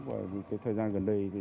và thời gian gần đây